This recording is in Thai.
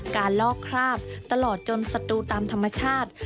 การลอกคราบตลอดจนสัตว์ดูตามธรรมชาติ